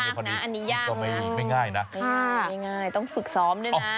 อันนี้ยากนะไม่ง่ายนะต้องฝึกซ้อมด้วยนะ